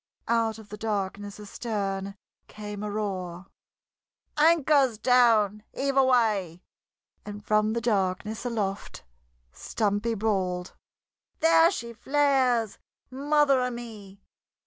Out of the darkness astern came a roar: "Anchor's down! Heave away!" And from the darkness aloft Stumpy bawled: "There she flares! Mother o' me!"